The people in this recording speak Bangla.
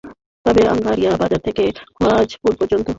তবে আঙ্গারিয়া বাজার থেকে খোয়াজপুর পর্যন্ত পাঁচ কিলোমিটার অংশ ভালো আছে।